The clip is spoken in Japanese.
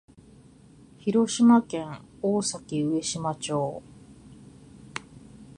広島県大崎上島町